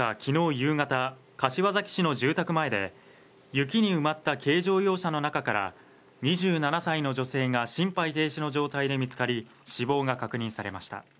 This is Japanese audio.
夕方柏崎市の住宅前で雪に埋まった軽乗用車の中から２７歳の女性が心肺停止の状態で見つかり死亡が確認されました